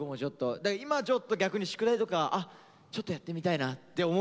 だけど今ちょっと逆に宿題とか「あちょっとやってみたいな」って思うこともあるから